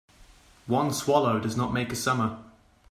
One swallow does not make a summer